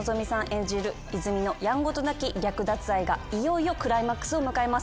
演じる泉のやんごとなき略奪愛がいよいよクライマックスを迎えます。